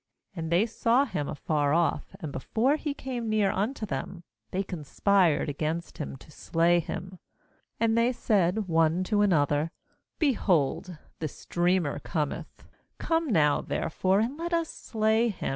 18And they saw him afar off, and before he came near unto them, they conspired against him to slay him. 19And they said one to another: 'Behold, this dreamer cometh. 20Come now there fore, and let us slay him.